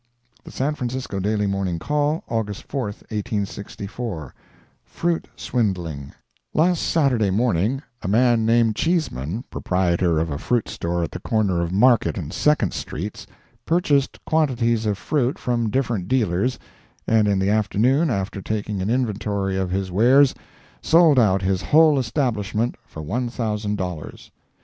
The San Francisco Daily Morning Call, August 4, 1864 FRUIT SWINDLING Last Saturday morning, a man named Cheesman, proprietor of a fruit store at the corner of Market and Second streets, purchased quantities of fruit from different dealers, and in the afternoon, after taking an inventory of his wares, sold out his whole establishment for one thousand dollars.